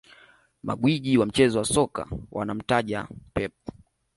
Magwiji wa mchezo wa soka wanamtaja Pep